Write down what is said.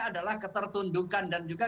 adalah ketertundukan dan juga